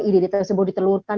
ide tersebut ditelurkan